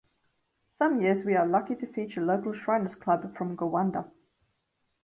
Some years we are lucky to feature local shriners club from Gowanda.